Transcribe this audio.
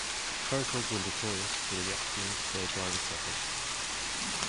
Curricles were notorious for the accidents their drivers suffered.